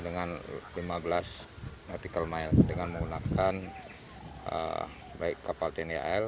dengan lima belas nautical mile dengan menggunakan baik kapal tni al